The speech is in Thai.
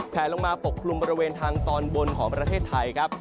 แผลลงมาปกคลุมบริเวณทางตอนบนของประเทศไทยครับ